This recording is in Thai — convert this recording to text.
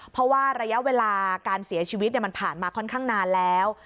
เพราะว่าระยะเวลาการเสียชีวิตมันผ่านมาค่อนข้างนานแล้ว